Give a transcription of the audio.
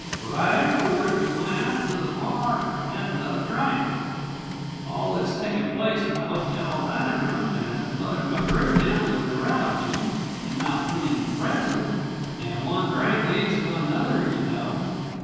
"Right afterwards you went out to the bar and had another drink all this takin' place in the hotel dining room, and Mother McGrew down with neuralagy and not bein' present and one drink leads to another, you know.